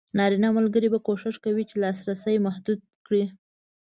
نارینه ملګري به کوښښ کوي چې لاسرسی محدود کړي.